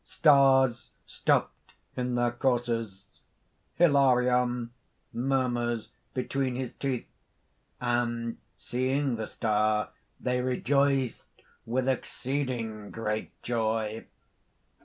Stars stopped in their courses." HILARION (murmurs between his teeth). "And seeing the star, they rejoiced with exceeding great joy!"